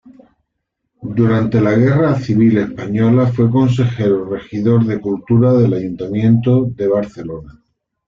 Durante la Guerra Civil Española fue consejero-regidor de Cultura del Ayuntamiento de Barcelona.